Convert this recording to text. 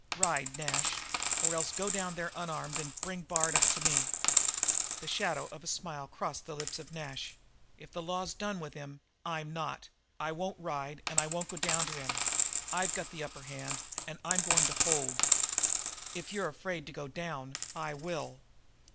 Ride, Nash! Or else go down there unarmed and bring Bard up to me." The shadow of a smile crossed the lips of Nash. "If the law's done with him, I'm not. I won't ride, and I won't go down to him. I've got the upper hand and I'm going to hold it." "If you're afraid to go down, I will."